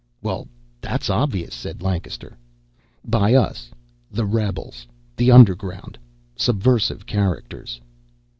"Well, that's obvious," said Lancaster. "By us. The rebels. The underground. Subversive characters."